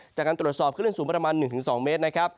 จากการตรวจสอบคลื่นสูงประมาณ๑๒เมตรนะครับ